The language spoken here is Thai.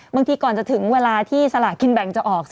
ก่อนจะถึงเวลาที่สลากกินแบ่งจะออก